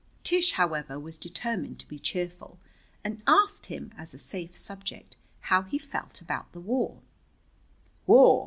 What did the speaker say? Tish, however, was determined to be cheerful, and asked him, as a safe subject, how he felt about the war. "War?"